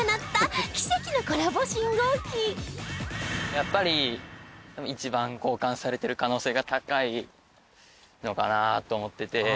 やっぱり一番交換されている可能性が高いのかなと思っていて。